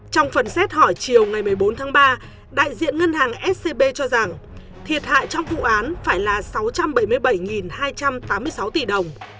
trong phần xét hỏi chiều ngày một mươi bốn tháng ba đại diện ngân hàng scb cho rằng thiệt hại trong vụ án phải là sáu trăm bảy mươi bảy hai trăm tám mươi sáu tỷ đồng